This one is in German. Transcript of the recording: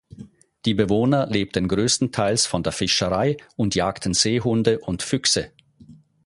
Die Bewohner lebten größtenteils von der Fischerei und jagten Seehunde und Füchse.